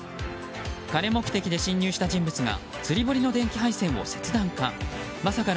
金目的で侵入した人物が釣り堀の電気配線を切断か。